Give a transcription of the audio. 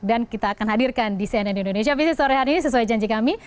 dan kita akan hadirkan di cnn indonesia vcr sore hari ini sesuai janji kami